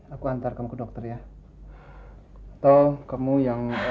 aku antar kamu ke dokter ya atau kamu yang